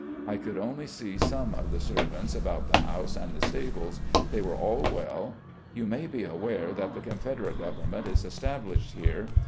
I could only see some of the servants about the house and the stables. They were all well. ... You may be aware that the Confederate Government is established here.